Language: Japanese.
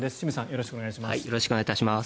よろしくお願いします。